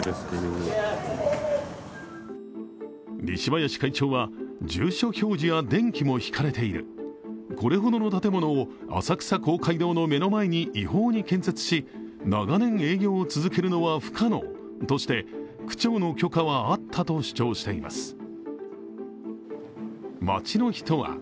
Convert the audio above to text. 西林会長は住所表示や電気も引かれている、これほどの建物を浅草公会堂の目の前に違法に建設し長年営業を続けるのは不可能として、区長の許可はあったと主張しています。